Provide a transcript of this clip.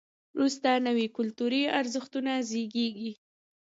وروسته نوي کلتوري ارزښتونه زیږېږي.